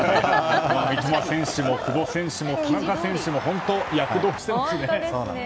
三笘選手も久保選手も田中選手も本当に躍動していますね。